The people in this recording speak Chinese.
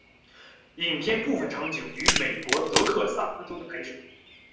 影片部分场景于美国德克萨斯州的拍摄。